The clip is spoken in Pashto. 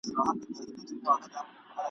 څخه به بله لاره ورته پاته نه وي، !.